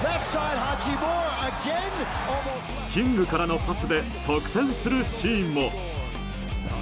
キングからのパスで得点するシーンも。